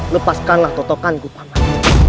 lepaskanlah totokan ku paman